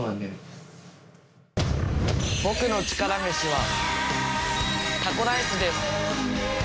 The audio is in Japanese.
僕の力メシはタコライスです！